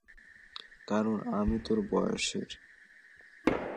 কারণ আমি তোর বয়সের।